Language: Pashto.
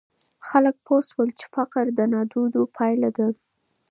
خلګ پوه سول چي فقر د نادودو پایله ده.